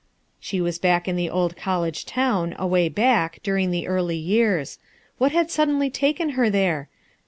She was back in the old college town, away back, among the early years. What had suddenly taken her there?